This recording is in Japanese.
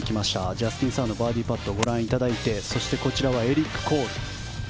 ジャスティン・サーのバーディーパットご覧いただいてそしてこちらはエリック・コール。